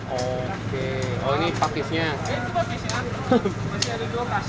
oke oh ini pakisnya